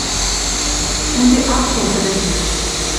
Ӹнде ак тол тӹдӹ тиш...